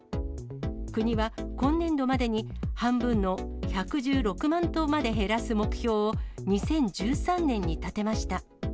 国は今年度までに半分の１１６万頭まで減らす目標を、２０１３年に立てました。